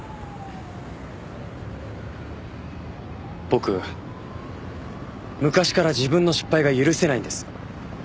僕昔から自分の失敗が許せないんです。